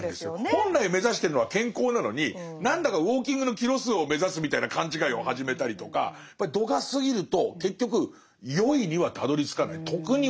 本来目指してるのは健康なのに何だかウォーキングのキロ数を目指すみたいな勘違いを始めたりとか。ということはもうおっしゃってたんですね。